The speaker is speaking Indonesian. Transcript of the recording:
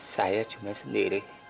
saya cuma sendiri